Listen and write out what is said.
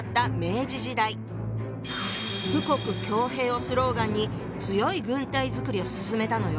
「富国強兵」をスローガンに強い軍隊作りを進めたのよ。